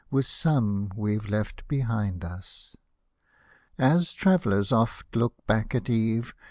With some we've left behind us ! As travellers oft look back at eve.